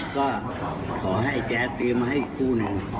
ก็ขอให้แจ๊สซื้อมาให้อีกคู่หนึ่ง